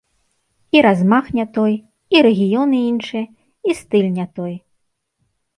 І размах не той, і рэгіёны іншыя, і стыль не той.